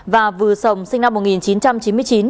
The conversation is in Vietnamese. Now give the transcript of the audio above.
và vừa sồng sinh năm một nghìn chín trăm chín mươi chín